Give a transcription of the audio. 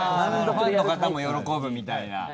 ファンの方も喜ぶみたいな。